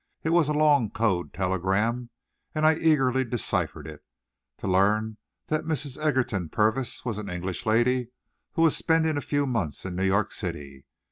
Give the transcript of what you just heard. It was a long code telegram, and I eagerly deciphered it, to learn that Mrs. Egerton Purvis was an English lady who was spending a few months in New York City.